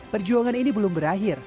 perjuangan ini belum berakhir